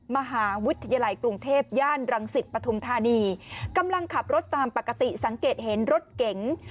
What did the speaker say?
มหาวิทยาลัยกรุงเทพย่านรังสิตปฐุมธานีกำลังขับรถตามปกติสังเกตเห็นรถเก๋ง